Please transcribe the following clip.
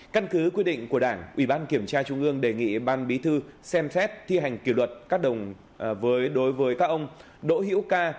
căn cứ quy định của đảng ủy ban kiểm tra trung ương đề nghị ban bí thư xem xét thi hành kiểu luật các đồng đối với các ông đỗ hiễu ca